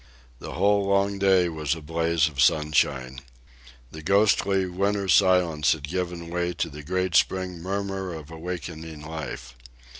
The whole long day was a blaze of sunshine. The ghostly winter silence had given way to the great spring murmur of awakening life.